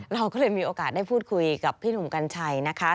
เราก็เลยมีโอกาสได้พูดคุยกับพี่หนุ่มกัญชัยนะคะ